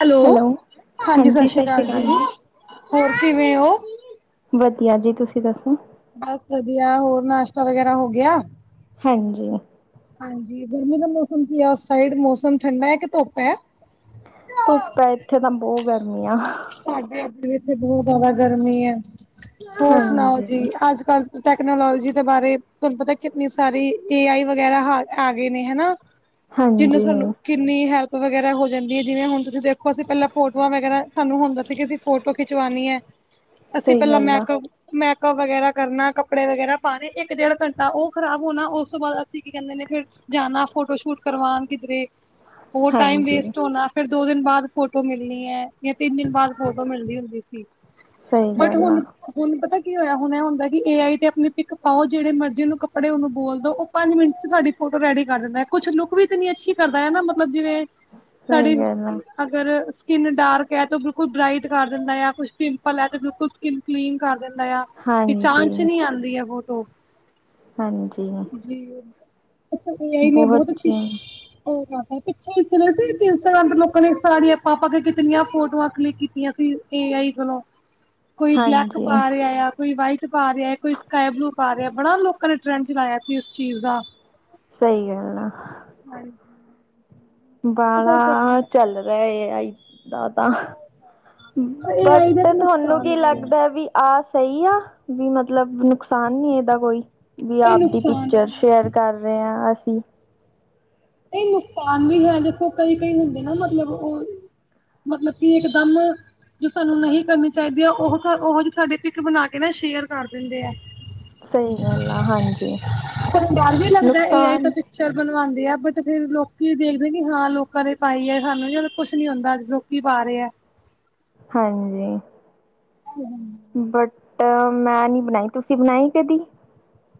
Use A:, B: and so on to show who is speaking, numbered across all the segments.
A: Hello ਹਾਂਜੀ ਸਤਿ ਸ਼੍ਰੀ ਅਕਾਲ ਜੀ ਹੋਰ ਕਿਵੇਂ ਹੋ
B: ਵਆ ਜੀ ਤੁਸੀਂ ਦੱਸੋ
A: ਬਸ ਵਧੀਆ ਹੋਰ ਨਾਸ਼ਤਾ ਵਗੈਰਾ ਹੋਗ ਗਿਆ
B: ਹਾਂਜੀ
A: ਹਾਂਜੀ ਗਰਮੀ ਦਾ ਮੌਸਮ ਕੀ ਹੈ ਉਸ ਸਾਈਡ ਮੌਸਮ ਠੰਡਾ ਹੈ ਕਿ ਧੁੱਪ ਹੈ
B: ਧੁੱਪ ਹੈ ਇੱਥੇ ਤਾਂ ਬਹੁਤ ਗਰਮੀ ਆ
A: ਸਾਡੇ ਇ ਇਥੇ ਬਹੁਤ ਜਿਆਦਾ ਗਰਮੀ ਹੈ ਹੋਰ ਸੁਣਾਓ
B: ਹਾਂਜੀ
A: ਜੀ ਅੱਜ ਕੱਲ ਟੈਕਨੋਲੋਜੀ ਦੇ ਬਾਰੇ ਤੁਹਾਨੂੰ ਪਤਾ ਕਿੰਨੀ ਸਾਰੀ ਟੀ ਆਈ ਵਗੈਰਾ ਆ ਗਏ ਨੇ ਹਨਾ
B: ਹਾਂਜੀ
A: ਸਾਨੂੰ ਕਿੰਨੀ ਹੈ ਵਗੈਰਾ ਹੋ ਜਾਂਦੀ ਹੈ ਜਿਵੇਂ ਹੁਣ ਤੁਸੀਂ ਦੇਖੋਸੀਂ ਪਹਿਲਾਂ ਫੋਟੋਆਂ ਵਗੈਰਾ ਸਾਨੂੰ ਹੁੰਦਾ ਸੀ ਕਿਸੀ ਫੋਟੋ ਖਿਚਵਾਉਣੀ ਹੈ ਅਸੀਂ
B: ਸਹੀ
A: ਪਹਿਲਾਂ
B: ਗੱਲ
A: ਮੈਂ
B: ਆ
A: ਮੈਂ ਵਗੈਰਾ ਕਰਨਾ ਕੱਪੜੇ ਵਗੈਰਾ ਪਾਣੇ ਇੱਕ ਡੇਢ ਘੰਟਾ ਉਹ ਖਰਾਬ ਹੋਣਾ ਉਸ ਤੋਂ ਬਾਅਦ ਅਸੀਂ ਕੀ ਕਹਿੰਦੇ ਨੇ ਫਿਰ ਜਾਣਾ ਫੋਟੋ ਸ਼ੂਟ ਕਰਵਾਾਨ ਕਿਧਰੇ ਹੋਰ ਟਾਈਮ
B: ਹਾਂਜੀ
A: ਵੇਸਟ ਹੋਣਾ ਫਿਰ ਦੋ ਦਿਨ ਬਾਅਦ ਫੋਟੋ ਮਿਲਣੀ ਹੈ। ਜਾਂ ਤਿੰਨ ਦਿਨ ਬਾਅਦ ਫੋਟੋ ਮਿਲਦੀ ਹੁੰਦੀ ਸੀ।
B: ਸਹੀ
A: ਬਟ
B: ਗੱਲ
A: ਹੁਣ
B: ਆ
A: ਹੁਣ ਪਤਾ ਹੋਇਆ ਹੋਣਾ ਹੁੰਦਾ ਕਿ ਏ ਆਈ ਤੇ ਆਪਣੀ ਪਿੱਕ ਪਾਓ ਜਿਹੜੇ ਮਰਜ਼ੀ ਉਹਨੂੰ ਕੱਪੜੇ ਉਹਨੂੰ ਬੋਲ ਦ ਉਹ ਪੰਜ ਮਿੰਟ ਚ ਸਾਹਾਡੀ ਫੋਟੋ ਰੈਡੀ ਕਰ ਦਿੰਦਾ ਹੈ ਕੁਛ ਲੁੱਕ ਵੀ ਤਾਂ ਨੀ ਅੱਛੀ ਕਰਦਾ ਹੈ ਨਾ ਮਤਲਬ ਜਿਵੇਂ
B: ਸਹੀ
A: ਸਾਡੀੇ
B: ਗੱਲ ਆ
A: ਅਗਰ ਸਕਿੰਨ ਡਾਰਕ ਤੇ ਉਹ ਬਿਲਕੁਲ ਬਰਾਈਟ ਕਰ ਦਿੰਦਾ ਹੈ ਕੁਛ ਪਿੰਪਲ ਹੈ ਤੇ ਬਿਲਕੁਲ ਸਕਿਨ ਕਲੀਨ ਕਰ ਦਿੰਦਾ। ਪਹਿਚਾਣ
B: ਹਾਂਜੀ
A: ਚ ਨੀ ਆਉਂਦੀ ਹੈ ਬਹੁਤ [unintelligible]
B: ਹਾਂਜੀ
A: ਜੀ ਆ ਬਹੁਤ ਅੱਛੀ ਪਿੱਛੇ ਸੁਣਿਆ ਸੀ ਇੰਸਟਾਗਰਾਮ ਤੇ ਲੋਕ ਨੇ ਸਾੜੀਆ ਪਾ ਕੇ ਕਿਤਨੀਆਂ ਫੋਟੋਆਂ ਕਲਕ ਕੀਤੀਆਂ ਸੀ ਏ ਆਈ ਵੱਲੋਂ। ਕੋਈ ਬਲੱਕ
B: ਹਾਂਜੀ
A: ਪਾ ਰਿਹਾ ਆ ਕੋਈ ਵਾਈਟ ਪਾ ਰਿਹਾ ਕੋਈ ਸਕਾਈ ਬਲੂ ਪਾ ਰਿਹਾ ਬੜਾ ਲੋਕਾਂ ਨੇ ਟਰੈਂਡ ਚਲਾਇਆ ਸੀ ਉਸ ਚੀਜ਼ ਦਾ
B: ਸਹੀ ਗੱਲ ਆ। ਬਾਂਲਾ ਚੱਲ ਰਿਹਾ ਏ ਆਈ ਆਈ। ਤਾਂ ਬਟ ਤੁਹਾਨੂੰ ਕੀ ਲੱਗਦਾ ਵੀ ਆਸ ਸਹੀ ਆ ਵੀ ਮਤਲਬ ਨੁਕਸਾਨ ਨੀ ਇਹਦਾ ਕੋਈ ਵੀ
A: ਕਈ
B: ਆਪਦੀ
A: ਨੁਕਸਾਨ
B: ਪਿਕਚਰ
A: ਵੀ
B: ਸ਼ੇਅਰ
A: ਹੈ,
B: ਕਰ ਰਹੇ ਹਾ ਅਸੀ ਹੂੰ
A: ਇਹ ਨੁਕਸਾਨ ਵੀ ਹੈ ਦੇਖੋ ਕਈ ਕਈ ਹੁੰਦੇ ਨਾ ਮਤਲਬ ਉਹ ਮਤਲਬ ਕੀ ਇਕ ਦਮ ਜੋ ਸਾਨੂੰ ਨਹੀਂ ਕਰਨੀ ਚਾਹੀਦੀ ਹੈ ਉਹੋ ਜਿਹੀ ਸਾਡੀ ਪਿੱਕ ਬਣਾ ਕੇ ਨਾ ਸ਼ੇਅਰ ਕਰ ਦਿੰਦੇ ਆ।
B: ਸਹੀ ਗੱਲ ਆ ਹਾਂਜੀ
A: ਤੈਨੂੰ ਡੱਰ ਹੀ ਲੱਗਦਾ ਏ ਆਈ
B: ਨੁਕਸਾਨ
A: ਤੋਂ ਪਿਕਚਰ ਬਣਵਾਣ ਚ ਵੀ ਆ ਤੇ ਫੇਰ ਲੋਕੀ ਦੇਖਦੇ ਕਿ ਹਾਂ ਲੋਕਾਂ ਨੇ ਪਾਈ ਹੈ ਸਾਨੂੰ ਕੁੱਛ ਨੀ ਹੁੰਦਾ ਲੋਕੀ ਪਾ ਰਹੇ ਹੈ।
B: ਹਾਂਜੀ। ਬਟ ਤਾਂ ਮੈਂ ਨੀ ਬਣਾਈ ਤੁਸੀਂ ਬਣਾਈ ਕਦੀ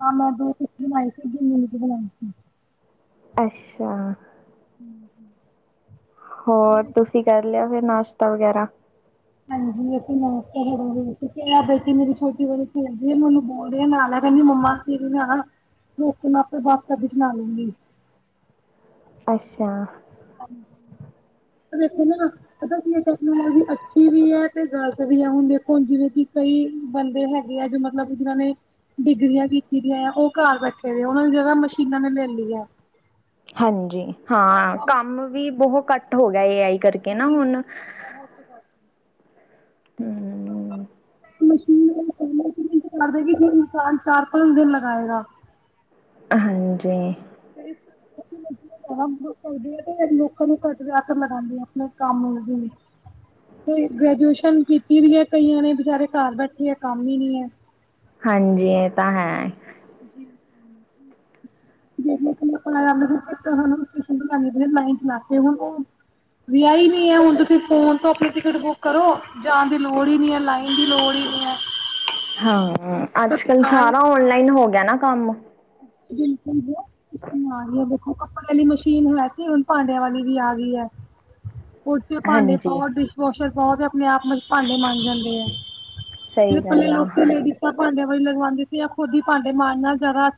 A: ਹ ਮੈਂ ਦ ਬਣਾਈ ਸੀ ਜੂਨ ਚ ਬਣਾਈ ਸੀ।
B: ਅੱਛਾ
A: ਹੂੰ ਹੂੰ
B: ਹੋਰ ਤੁਸੀਂ ਕਰ ਲਿਆ ਫਿਰ ਨਾਸ਼ਤਾ ਵਗੈਰਾ।
A: ਹਾਂਜੀ ਅਸੀਂ ਨਮਸ ਬੈਠੀ ਮੇਰੀ ਛੋਟੀ ਬੀਦੀ ਆ ਮਨੂੰ ਬੋਲਦੇ ਨਾਲ ਕਹਿੰਦੀ ਮੰਮਾ ਤਰੀ ਨਾਲ ਰ ਮੈਂ ਆਪਣੇ ਬਾਪ ਕਦੇ ਚ ਨਾ ਲੂੰਗੀ
B: ਅੱਛਾ।
A: ਹਾਂਜੀ ਦੇਖੋ ਨਾ ਪਤਾ ਕੀ ਟੈਕਨੋਲੋਜੀ ਅੱਛੀ ਵੀ ਹੈ ਤੇ ਗ਼ਲਤ ਵੀ ਆ ਹੁਣ ਦੇਖੋ ਜਿਵੇਂ ਕਿ ਕਈ ਬੰਦੇ ਹੈਗੇ ਆ ਜੋ ਮਤਲਬ ਜਿਨਾਂ ਨੇ ਡਿਗਰੀਆਂ ਕੀਤੀ ਦੀ ਆ ਉਹ ਘਰ ਬੈਠੇ ਦੇ ਉਹਨਾਂ ਨੇ ਜਗ੍ਹਾ ਮਸ਼ੀਨਾਂ ਨੇ ਲੈ ਲਈ ਹੈ।
B: ਹਾਂਜੀ ਹਾਂ ਕੰਮ ਵੀ ਬਹੁਤ ਘੱਟ ਹੋ ਗਿਆ ਇਹ ਆਈ ਕਰਕੇ ਨਾ
A: ਜੀ
B: ਹੁਣ
A: [unintelligible]
B: ਹਮ
A: [unintelligible]
B: ਹਾਂਜੀ
A: ਕਰਦੇ ਤੇ ਲੋਕਾਂ ਨੂੰ ਘੱਟ ਕੇ ਲਗਾਦੇ ਆ ਆਪਣੇ ਕੰਮ ਵੀ ਤੇ ਗ੍ਰੈਜੂਏਸ਼ਨ ਕੀਤੀ ਵੀ ਹੈ ਕਈਆਂ ਨੇ ਬਚਾਰੇ ਘਰ ਬੈਠੇ ਆ ਕੰਮ ਹੀ ਨੀ ਹੈ
B: ਹਾਂਜੀ ਇਹ ਤਾਂ ਹੈ
A: ਜੀ ਸੀਂ ਫੋਨ ਤੋਂ ਆਪਣੀ ਟਿਕਟ ਬੁੱਕ ਕਰੋ ਜਾਣ ਦੀ ਲੋੜ ਹੀ ਨ ਹੈ ਲਾਈਨ ਦੀ ਲੋੜ ਹੀ ਨੀ ਹੈ
B: ਹਾਂ ਅੱਜ ਕੱਲ
A: ਤਤਕਾਲ
B: ਸਾਰਾ ਔਨਲਾਈਨ ਹੋ ਗਿਆ ਨਾ ਕੰਮ
A: ਬਿਲਕੁਲ ਜੀ ਨਾ ਹੀ ਕੱਪੜਿਆਂੀ ਮਸ਼ੀਨ ਹੈ ਸੀ ਹੁਣ ਭਾਂਡਿਆਂ ਵਾਲੀ ਵੀ ਆ ਗਈ ਹੈ ਉਚੇ ਭਾਂਡੇ
B: ਹਾਂਜੀ
A: ਪਾਓ ਡਿਸ਼ ਵਾਸ਼ਰ ਬਹੁਤ ਆਪਣੇ ਆਪ ਵਿੱਚ ਭਾਂਡੇ ਮਾਂਜੇ ਜਾਂਦੇ ਹੈ
B: ਸਹੀ
A: ਜਿਹ ਪੱਲੇ
B: ਗੱਲ ਆ
A: ਲੋਕੀ ਲੇਡੀਜ਼ਾਂ ਭਾਂਡੇ ਲਗਵਾਉਂਦੇ ਸੀ ਜਾਂ ਖੁਦੀ ਭਾਂਡੇ ਮਾਂਜਣਾ ਜ਼ਿਆਦਾ [unintelligible]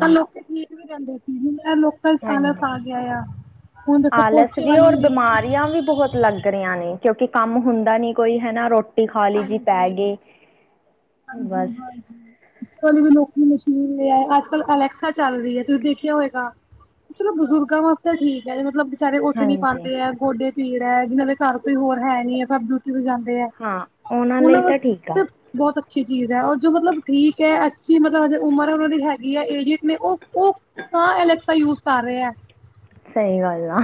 A: ਤਾਂ ਲੋਕੀ ਠੀਕ ਵੀ ਰਹਿੰਦੇ ਸੀ ਹੁਣ ਇਹ ਲੋਕਾਂ ਚ ਆਲਸ
B: ਹਾਂਜੀ
A: ਆ ਗਿਆ ਆ ਹੁਣ ਦੇਖੋ
B: ਆਲਸ
A: ਪੋਚੇ
B: ਵੀ
A: ਵਾਲੀ
B: ਔਰ ਬਿਮਾਰੀਆਂ ਵੀ ਬਹੁਤ ਲੱਗ ਰਹੀਆਂ ਨੇ ਕਿਉਂਕਿ ਕੰਮ ਹੁੰਦਾ ਨੀ ਕੋਈ ਹੈ ਨਾ ਰੋਟੀ ਖਾ ਲਈ ਜੀ ਪੈ
A: ਹਾਂਜੀ।
B: ਗਏ ਬਸ
A: ਹਾਂਜੀ। ਹਾਂਜੀ ਵੀ ਨੌਕਰੀ ਅੱਜ ਕੱਲ ਅਲੈਕਸਾ ਚੱਲ ਰਹੀ ਹੈ ਤੁਸੀਂ ਦੇਖਿਆ ਹੋਏਗਾ ਚਲੋ ਬਜ਼ੁਰਗਾਂ ਵਾਸਤੇ ਠੀਕ ਹੈ ਮਤਲਬ ਵਿਚਾਰੇ ਉੱਠ ਨਹੀਂ
B: ਹਾਂਜੀ
A: ਪਾਂਦੇ ਹੈ ਗੋਡੇ ਪੀੜ ਹੈ ਜਿਹਨਾਂ ਦੇ ਘਰ ਕੋਈ ਹੋਰ ਹੈ ਨੀ ਹੈ ਪਰ ਸ਼ਾਮ ਨੂੰ ਜਦੋਂ ਜਾਂਦੇ ਹੈ
B: ਹਾਂ ਉਹਨਾਂ ਲਈ ਤਾਂ ਠੀਕ ਆ
A: ਵਾਸਤੇ ਬਹੁਤ ਅੱਛੀ ਚੀਜ਼ ਹੈ ਉਹ ਜੋ ਮਤਲਬ ਠੀਕ ਹੈ ਅੱਛੀ ਮਤਲਬੇ ਉਮਰ ਉਹਨਾ ਦੀ ਹੈਗੀ ਹੈ ਏਡੀਅਟ ਨੇ ਉਹ [unintelligible] ਯੂਜ ਕਰ ਰਹੇ ਹੈ।
B: ਸਹੀ ਗੱਲ ਆ।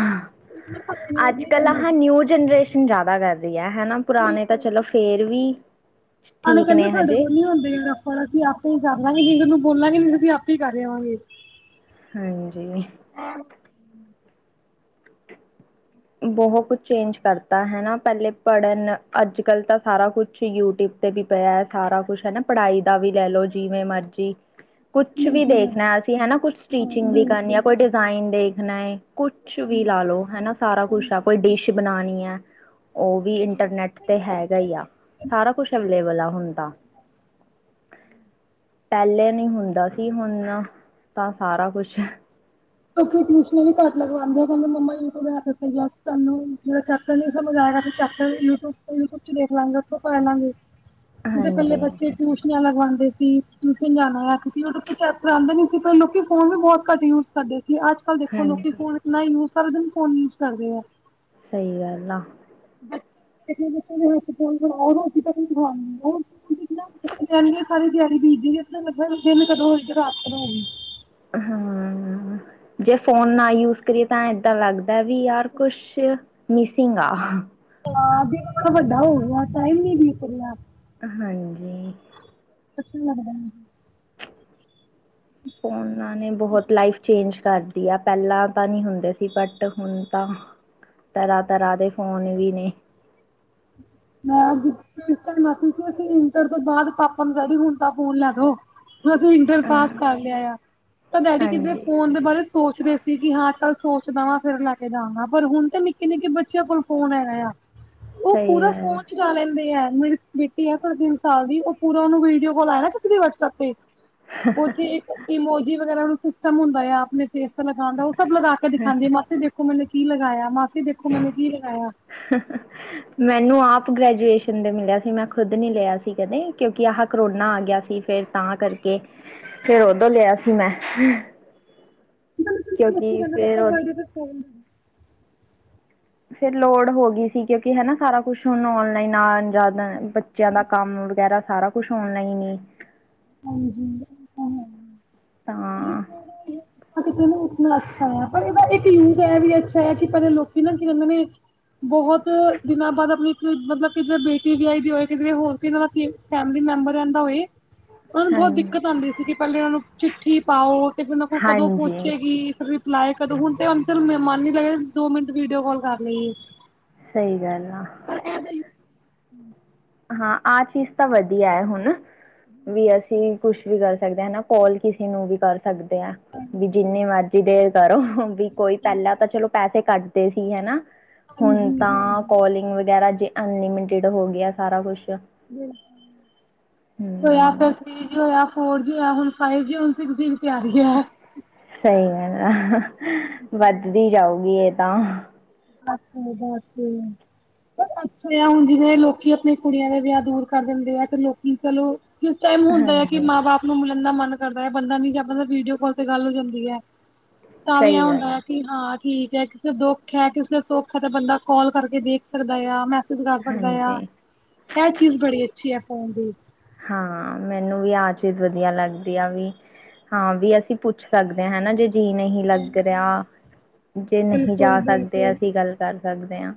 B: ਅੱਜ ਕੱਲ ਆ ਹਾਂ ਨਿਊ ਜਨਰੇਸ਼ਨ ਜਿਆਦਾ ਵਧੀਆ ਹੈ ਨਾ ਪੁਰਾਣੇ ਤਾਂ ਚਲੋ ਫੇਰ ਵੀ
A: ਆਨੂੰ
B: ਠੀਕ
A: ਕਹਿੰਦੇ
B: ਨੇ
A: ਸਾਡੇ
B: ਹਜੇ
A: ਕੋਲ ਨੀ ਹੁੰਦੇ ਇਹ ਰੱਫੜ ਅਸੀਂ ਆਪੇ ਹੀ ਕਰ ਰਨਾ ਉਹਨੂੰ ਬੋਲਾਂਗੇ ਮੈਨੂੰ ਤੁਸੀਂ ਆਪੇ ਕਰ ਰਹੇਵਾਂਗੇ
B: ਹਾਂਜੀ ਬਹੁਤ ਕੁਛ ਚੇਂਜ ਕਰਤਾ ਹੈ। ਪਹਿਲੇ ਪੜ੍ਹਨ ਅੱਜ ਕੱਲ ਤਾਂ ਸਾਰਾ ਕੁਛ ਯੂਟਿਊਬ ਤੇ ਵੀ ਪਿਆ ਹੈ ਸਾਰਾ ਕੁਛ ਹੈ ਨਾ ਪੜ੍ਹਾਈ ਵੀ ਲੈ ਲਓ ਜਿਵੇਂ ਮਰਜੀ ਕੁਛ ਵੀ ਦੇਖਣਾ ਅਸੀਂ ਹਨਾ ਕੁਛ ਸਟੀਚਿੰਗ ਵੀ ਕਰਨੀ ਆ ਕੋਈ ਡਿਜ਼ਾਇਨ ਦੇਖ ਖਣਾ ਕੁਛ ਵੀ ਲਾ ਲੋੋ ਹਨਾ ਕੁਛ ਆ ਕੋਈ ਡਿਸ਼ ਬਣਾਉਣੀ ਹੈ। ਉਹ ਵੀ ਇੰਟਰਨੈਟ ਤੇ ਹੈਗਾ ਈ ਆ ਸਾਰਾ ਕੁਛ ਅਵੇਲੇਬਲ ਆ ਹੁਣ ਤ ਪਹਿਲੇ ਨੀ ਹੁੰਦਾ ਸੀ ਹੁਣ ਤਾਂ ਸਾਰਾ ਕੁਛ
A: ਕਿਉਂਕਿ ਟਿਊਸ਼ਨ ਵੀ ਘੱਟ ਲਗਵਾਉਂਦੇ ਮੰਮਾ ਯੂਿਬ ਨੂੰ ਜਿਹੜਾ ਚੈਪਟਰ ਨੀ ਸਮਝ ਆ ਰਿਹਾਆ ਚੈਪ ਯੂਿਬ ਯੂਿ ਚ ਦੇਖ ਲਾਂਗੇ ਉੱਥੋਂ ਪੜ ਲਾਂਗੇ । ਕੱਲੇ
B: ਹਾਂਜੀ
A: ਬੱਚੇ ਟਿਊਸ਼ਨ ਨਾਲ ਲਾ ਕੇ ਉਂਦੇ ਸੀ ਟਿਊਸ਼ਨ ਜਾਣਾ ਕਿ ਉਹ ਕੋ ਚੈਪਟਰ ਆਉਂਦੇ ਨੀ ਸੀ ਲੋਕੀ ਫੋਨ ਵੀ ਬਹੁਤ ਘੱਟ ਯੂਜ ਸਾਡੇ ਕਿ ਅੱਜ ਕੱਲ ਦੇਖੋ
B: ਹਾਂਜੀ
A: ਲੋਕੀ ਹੁਣ ਇੰਨਾ ਹੀ ਸਾਰੇ ਦਿਨ ਫੋਨ ਯੂਜ ਕਰਦੇ ਆ
B: ਸਹੀ ਗੱਲ ਆ
A: ਬੱਚੇ ਦੇ ਹੱਥ ਰੋਟੀ ਤਾਂੱਕ ਨ ਖਾ ਕਹ ਸਾਰੀ ਤਿਆਰੀ ਬੀਜਦੀ ਲੱ ਲੱ ਕਦੋਂਧ ਰਾਤ [unintelligible]
B: ਹਾਂ ਜੇ ਫੋਨ ਨਾ ਯੂਜ ਕਰੀਏ ਤਾਂ ਏਦਾਂ ਲੱਗਦਾ ਦਾ ਵੀ ਯਾਰ ਕੁਛ ਮਿਸੀਂਗ ਆ
A: ਹਾਂ ਦੇਖ ਵੱਡਾ ਹੋਊਗਾ ਟਾਈਮ ਨੀ ਬੀਤਿਆ
B: ਹਾਂਜੀ
A: ਅੱਛਾ ਲੱਗਦਾ
B: ਫੋਨਾਂ ਨੇ ਬਹੁਤ ਲਾਈਫ ਚੇਂਜ ਕਰ ਦਿੱਤੀ ਆ ਪਹਿਲਾਂ ਤਾਂ ਨੀ ਹੁੰਦੇ ਸੀ ਬਟ ਹੁਣ ਤਾਂ ਤਰ੍ਹਾਂ ਤਰ੍ਹਾਂ ਦੇ ਫੋਨ ਵੀ ਨੇ
A: ਮੈਂ ਮਸੀ ਸੀ ਇੰਟਰ ਤੋਂ ਬਾਅਦ ਪਾਪਾ ਨੂੰ ਡੈਡੀ ਹੁਣ ਤਾਂ ਫੋਨ ਲੈ ਦੋ ਅਸੀਂ ਇੰਟਰ
B: ਹਾਂ
A: ਪਾਸ ਕਰ ਲਿਆ ਆ ਤਾਂ ਡੈਡੀ ਕਿੇ
B: ਹਾਂਜੀ
A: ਫੋਨ ਦੇ ਬਾਰੇ ਸੋਚਦੇ ਸੀ ਕਿ ਹਾਂ ਚੱਲ ਸੋਚਦਾ ਵਾ ਫਿਰ ਲੈ ਕੇ ਜਾਦਾ ਪਰ ਹੁਣ ਤੇ ਨਿੱਕੇ ਨਿੱਕੇ ਬੱਚਿਆਂ ਕੋਲ ਫੋਨ ਆਗਾ ਆ
B: ਸਹੀ
A: ਪੂਰਾ
B: ਗੱਲ ਆ
A: ਫੋਨ ਚੁਲਾ ਲੈਂਦੇ ਹੈ ਮੇਰੀ ਬੇਟੀ ਆ ਤਿੰਨ ਸਾਲ ਦੀ ਉਹ ਪੂਰਾ ਉਹਨੂੰ ਵੀਡੀਓ ਕੋਲ ਆਇ ਨਾ ਕਿਸੇ ਵਟਸਪ ਤੇ ਉੱਥੇ ਇੱਕਮੋਜੀ ਵਗੈਰਾ ਸਿਸਟਮ ਹੁੰਦਾ ਆ ਆਪਣੇ ੇਸ ਲਗਾਉਂਦਾ ਉਹ ਸਭ ਲਗਾ ਕੇ ਦਿਖਾਂਦੀ ਹੈ ਮਾਸੇ ਦੇਖੋ ਮੈਨੂੰ ਕੀ ਲਗਾਇਆ ਮੈਂ
B: ਮੈਨੂੰ ਆਪ ਆਪ ਗ੍ਰੈਜੂਏਸ਼ਨ ਦੇ ਮਿਲਿਆ ਸੀ ਮੈਂ ਖੁਦ ਨਹੀਂ ਲਿਆ ਸੀ ਕਦੇ ਕਿਉਂਕਿ ਆਹ ਕਰੋਨਾ ਆ ਗਿਆ ਸੀ ਫਿਰ ਤਾਂ ਕਰਕੇ ਫੇਰ ਉਦੋਂ ਲਿਆ ਸੀ ਮੈਂ ਹਮ
A: ਤ ਬ
B: ਫਿਰ ਲੋੜ ਹੋ ਗਈ ਸੀ ਕਿਉਂਕਿ ਹਨਾ ਸਾਰਾ ਕੁਛ ੂੰ ਨਲਾਈਨ ਆਦਾ ਬੱਚਿਆਂ ਦਾ ਕੰਮ ਵਗੈਰਾ ਸਾਰਾ ਕੁਛ ਹੋਨਾ ਹੀ ਨੀ
A: ਹਾਂਜੀ
B: ਤਾਂ
A: ਕਿਸੇ ਨੂੰ ਉਸ ਨਾਲ ਅੱਛਾ ਆ ਪਰ ਇਹਦਾ ਇੱਕ ਯੂਜ਼ ਇਹ ਵੀ ਅੱਛਾ ਆ ਕਿ ਪਹਿਲੇ ਲੋਕੀ ਨਾ ਕੀਦੇ ਨੇ ਬਹੁਤ ਦਿਨਾਂ ਬਾਅਦ ਆਪਣੀ ਮਤਲਬ ਕਿੱਧਰ ਬੇਟੀ ਵਿ ਆਈ ਦੀ ਹੋਏ ਹੋਰ ਦਾ ਫੈਮਿਲੀ ਮੈਂਬਰ ਰਹਿੰਦਾ ਹੋਵੇ ਉਹਨਾਂ ਨੂੰ
B: ਹਾਂ
A: ਬਹੁਤ ਦਿੱਕਤ ਆਉਂਦੀ ਸੀ ਕਿ ਪਹਿਲੇ ਉਹਨਾਂ ਨੂੰ ਚਿੱਠੀ ਪਾਓ ਤੇ ਫਿਰਰ ਉਹਨਾਂ ਕੋਲ ਕਦੋਂ
B: ਹਾਂਜੀ
A: ਪਹਚੇਗੀ ਫਿਰ ਰਿਪਲਾਏ ਕਦੋਂ ਹੁਣ ਤੇ ਚ ਮਹਿਮਾਨ ਨੀ ਲੱ ਦੋ ਮਿੰਟ ਵੀਡੀਓ ਕਾਲ ਕਰ ਲਈ
B: ਸਹੀ ਗੱਲ ਆ
A: ਹਮ
B: ਹਾਂ ਆਹ ਚੀਜ਼ ਤਾਂ ਵਧੀਆ ਹੈ ਹੁਣ ਵੀ ਅਸੀਂ ਕੁਛ ਵੀ ਕਰ ਸਕ ਸਕਦਾ ਹਨਾ ਕੋਲ ਕਿਸੇ ਨੂੰ ਵੀ ਕਰ ਸਕਦੇ ਆ। ਵੀ ਜਿੰਨੀ ਮਰਜ਼ੀ ਦੇਰ ਕਰੋ ਵੀ ਕੋਈ ਪਹਿਲਾਂ ਤਾਂ ਚਲੋ ਪੈਸੇ ਕੱਟ ਤੇ ਸੀ ਹਨਾ। ਹੁਣ ਤਾਂ ਕੋਲਿੰਗ ਵਗੈਰਾ ਜੇ ਅਨਲਿਮਿਟਿਡ ਹੋ ਗਿਆ। ਸਾਰਾ ਕੁਛ
A: ਹੋਇਆ ਫੇਰ ਥ੍ਰੀ ਜ ਹੋਇਆ ਫੋਰ ਹੁਣ ਫਾਈਵ ਜੀ ਹੁਣ ਸਿਕਸ ਜੀ ਤਿਆਰੀ ਹੈ।
B: ਸਹੀ ਹੈ ਨਾ। [unintelligible] ਵੱਧਦੀ ਜਾਊਗੀ ਇਹ। ਤਾਂਹ
A: ਅੱਛਾ, ਬਸ। ਅੱਛਾ ਹੁਣ ਜਿਵੇਂ ਲੋਕੀ ਆਪਣੇ ਕੁੜੀਆਂ ਦੇ ਵਿਆਹ ਦੂਰ ਕਰ ਦਿੰਦੇ ਆ ਤੇ ਲੋਕੀ ਚਲੋ ਕਿਸ ਟਾਈਮ ਹੁੰਦਾ ਹੈ ਕਿ
B: ਹਾਂਜੀ
A: ਮਾਂ ਬਾਪ ਨੂੰ ਮਿਲ ਨਾ ਮਨ ਕਰਦਾ ਹੈ ਬੰਦਾ ਨੀ ਜਾਂ ਬੰਦਾ ਵੀਡੀਓ ਕਾਲ ਤੇ ਗੱਲ ਹੋ ਜਾਂਦੀ ਹੈ। ਤਾਂ ਵੀ ਇਹ
B: ਸਹੀ
A: ਹੁੰਦਾ
B: ਗੱਲ ਆ
A: ਹੈ ਕਿ ਹਾਂ ਠੀਕ ਹੈ, ਕਿਸੇ ਦੁੱਖ ਹੈ ਕਿਸੇ ਸੌਖਾ ਤਾਂ ਬੰਦਾ ਕਾਲ ਕਰਕੇ ਦੇਖ ਸਕਦਾ ਆ ਮੈ ਕਰ ਸਕਦਾ ਆ।
B: ਹਾਂਜੀ
A: ਇਹ ਚੀਜ਼ ਬੜੀ ਅੱਛੀ ਆ। ਹਾਂਜੀ।
B: ਹਾਂ, ਮੈਨੂੰ ਵੀ ਆਹ ਚੀਜ਼ ਵਧੀਆ ਲੱਗਦੀ ਆ ਵੀ ਹਾਂ ਵੀ ਅਸੀਂ ਪੁੱਛ ਸਕਦੇ ਹਾਂ। ਹੈਨਾ ਜੇ ਜੀ ਨਹੀਂ ਲੱਗ ਰਿਹਾ। ਜੇ ਨਹੀਂ ਜਾ ਸਕਦੇ ਅਸੀਂ ਗੱਲ ਕਰ ਸਕਦੇ ਹਾਂ।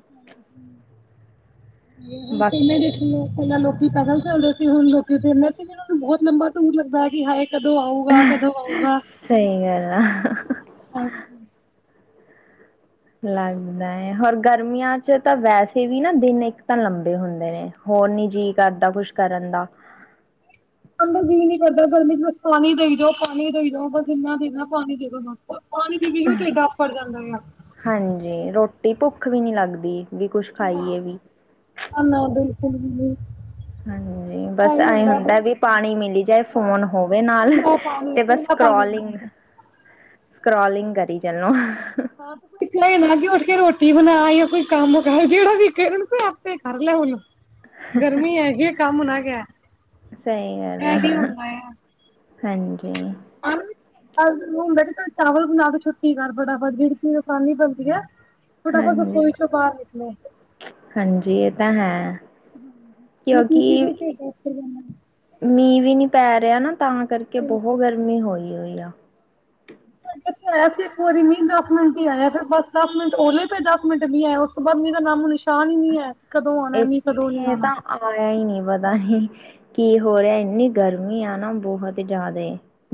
A: ਹੁਣ
B: ਬਾ
A: ਕਿੰਨੇ ਦੇਖਨਾ ਲੋਕ ਪੈਦਲ ਚੱਲਦੇ ਸੀ। ਹੁਣ ਲੋਕੀ ਤੇ ਕਹਿੰਦੇ ਇਹਨਾਂ ਨੂੰ ਬਹੁਤ ਲੰਬਾ ਟੂਰ ਲੱਗਦਾ ਹੈ ਕਿ ਹਾਏ ਕਦੋਂ ਆਊਗਾ, ਕਦੋਂ ਆਊਗਾ।
B: ਸਹੀ ਗੱਲ ਆ
A: ਹਾਂਜੀ।
B: ਲੱਗਦਾ ਹੈ। ਹੋਰ ਗਰਮੀਆਂ ਚ ਤਾਂ ਵੈਸੇ ਵੀ ਨਾ ਦਿਨ ਇੱਕ ਤਾਂ ਲੰਬੇ ਹੁੰਦੇ ਨੇ ਹੋਰ ਨੀ ਜੀਅ ਕਰਦਾ ਕੁਛ ਕਰਨ ਦਾ।
A: ਅੰਦਾ ਜੀਅ ਨੀ ਕਰਦਾ ਚ ਬਸ ਗਰਮੀ ਪਾਣੀ ਦੇਈ ਜਾਓ, ਪਾਣੀ ਦੇਈ ਦਓ ਬਸ ਇੰਨਾ ਦੇਣਾ ਪਾਣੀ ਦੇ ਦੋ ਬਸ। ਪਾਣੀ ਪੀ-ਪੀ ਕੇ ਟੇਡ ਆਫਰ ਜਾਂਦਾ ਆ।
B: ਤੇ ਭੁੱਖ ਵੀ ਨੀ ਲੱਗਦੀ। ਵੀ ਕੁਛ ਖਾਈਏ ਵੀ।
A: [inaudible]
B: ਹਾਂਜੀ। ਬਸ ਐ ਹੁੰਦਾ ਵੀ ਪਾਣੀ ਮਿਲੀ ਜਾਏ ਫੋਨ ਹੋਵੇ ਨਾਲ ਤੇ ਬਸ ਸਕਰੋਲਿੰਗ ਸਕ੍ਰੋਲਿੰਗ ਕਰੀ ਚਲੋ।
A: ਕਿਤਨਾ ਇਹ ਨਾ ਉੱਠ ਕੇ ਰੋਟੀ ਬਣਾ ਜਾਂ ਕੋਈ ਕੰਮ ਕਰ ਜਿਹੜਾ ਵੇਖੇ ਕੋਈ ਆਪੇ ਕਰ ਲੈ ਹੁਣ। ਗਰਮੀ ਹੈਗੀ ਕੰਮ ਨਾ ਕਹਿ,
B: ਸਹੀ ਗੱਲ ਆ
A: ਐਵੈਂ ਹੁੰਦਾ ਏ।
B: ਹਾਂਜੀ
A: ਚਾਵਲ ਬਣਾ ਕੇ ਛੁੱਟੀ ਕਰ ਬੜਾ ਜਿਹੜੀ ਚੀਜ਼ ਆਸਾਨੀ ਬਣਦੀ ਹੈ ਫਟਾਫਟ
B: ਹਾਂਜੀ
A: ਰਸੋਈ ਚੋਂ ਬਾਹਰ ਨਿਕਲੋ
B: ਹਾਂਜੀ ਇਹ ਤਾਂ ਹੈ ਕਿਉਂਕਿ ਮੀਂਹ ਵੀ ਨੀ ਪੈ ਰਿਹਾ ਨਾ ਤਾਂ ਕਰਕੇ ਬਹੁਤ ਗਰਮੀ ਹੋਈ ਹੋਈ ਆ [inaudible]
A: ਮੀਂਹ ਆਇਆ ਸੀ ਇੱਕ ਵਾਰੀ ਮੀ ਦਸ ਮਿੰਟ ਹੀ ਆਇਆ ਫਿਰ ਬਸ ਦਸ ਮਿੰਟ ਮੀਂਹ ਓਲੇ ਤੇ ਦਸ ਮਿੰਟ ਨਹੀਂ ਆਇਆ ਉਸ ਤੋਂ ਬਾਅਦ ਮੇਰਾ ਨਾਮ ਨਿਸ਼ਾਨ ਹੀ ਨਹੀਂ ਹੈ ਕਦੋਂ ਆਉਣਾ ਮੀਂਹ ਕਦੋਂ ਨਹੀਂ
B: ਇੱਥੇ
A: ਆਉਣਾ
B: ਤਾਂ ਆਇਆ ਹੀ ਨਹੀਂ ਪਤਾ ਨੀ ਕੀ ਹੋ ਰਿਹਾ ਇੰਨੀ ਗਰਮੀ ਆ ਨਾ ਬਹੁਤ ਜਿਆਦਾ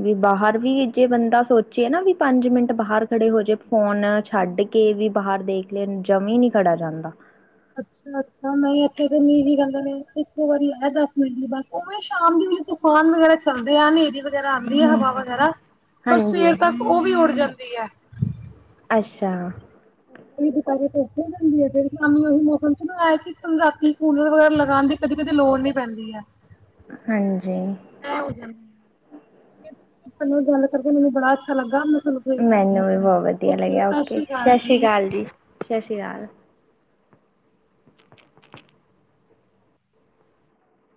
B: ਵੀ ਬਾਹਰ ਵੀ ਜੇ ਬੰਦਾ ਸੋਚੇ ਨਾ ਵੀ ਪੰਜ ਮਿੰਟ ਬਾਹਰ ਖੜੇ ਹੋ ਜੇ ਫੋਨ ਛੱਡ ਕੇ ਵੀ ਬਾਹਰ ਦੇਖ ਜਮੀ ਹੀ ਨਹੀਂ ਖੜਾ ਜਾਂਦਾ
A: ਅੱਛਾ ਅੱਛਾ ਨਹੀਂ ਇੱਥੇ ਮੀਂ ਹੀ ਕਹਿੰਦਾ ਨੇ ਇੱਕੋ ਵਾਰੀ ਆਇ ਦਸ ਮਿੰਟ ਦੀ ਬਸ ਉਵੇਂ ਸ਼ਾਮ ਦੀ ਤੂਫਾਨ ਵਗੈਰਾ ਚੱਲਦੇ ਆਦੇ ਵਗੈਰਾ ਆਉਂਦੀ ਹੈ ਹਵਾ ਵਗੈਰਾ ਪਰ
B: ਹਾਂਜੀ
A: ਸਵੇਰ ਤੱਕ ਉਹ ਵੀ ਉੱਡ ਜਾਂਦੀ ਹੈ
B: ਅੱਛਾ
A: ਦੁਪ ਜਾਂਦੀ ਹੈ ਫਿਰ ਸ਼ਾਮ ਉਹੀ ਮੌਸਮ ਚਇ ਕਿ ਰਾਤੀ ਕੂਨਰ ਵਗੈਰਾ ਲਗਾਉਣ ਦੀ ਕਦੀ ਕਦੀ ਲੋੜ ਨੀ ਪੈਂਦੀ ਹੈ
B: ਹਾਂਜੀ
A: ਠੀਕ ਹੈ ਤ ਗੱਲ ਕਰਕੇ ਮੈਨੂੰ ਬੜਾ ਅੱਛਾ ਲੱਗਾ ਤੁਹਾਨੂੰ ਫੇਰ ਕਰਦੀ ਆ
B: ਮੈਨੂੰ ਵੀ
A: ਫੋਨ।
B: ਬਹੁਤ ਵਧੀਆ ਲੱਗਿਆ ਓਕੇ ਸਤਿ ਸ਼੍ਰੀ ਅਕਾਲ ਜੀ ਸਤਿ ਸ਼੍ਰੀ ਅਕਾਲ [inaudible]